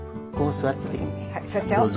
座っちゃおう。